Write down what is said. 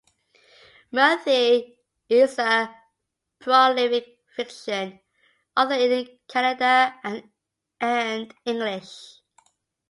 Murthy is a prolific fiction author in Kannada and English.